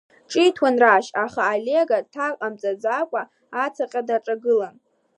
Ҿиҭуан Рашь, аха Олег аҭак ҟамҵаӡакәа ацаҟьа даҿагылан.